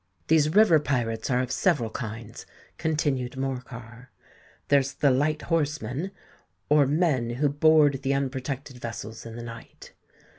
"These river pirates are of several kinds," continued Morcar. "There's the light horsemen, or men who board the unprotected vessels in the night.